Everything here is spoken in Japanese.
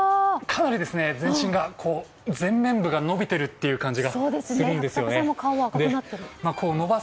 かなり全身が前面部が伸びているという感覚がするんですよね。